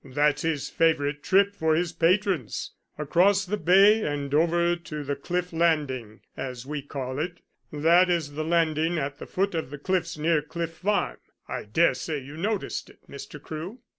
"That is his favourite trip for his patrons across the bay and over to the cliff landing, as we call it. That is the landing at the foot of the cliffs near Cliff Farm I daresay you noticed it, Mr. Crewe?"